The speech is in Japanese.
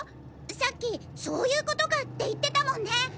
さっき「そういうことか」って言ってたもんね。